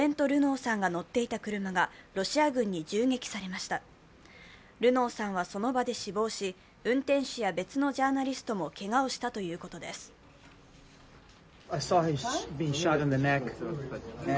ルノーさんはその場で死亡し、運転手や別のジャーナリストもけがをしたということです。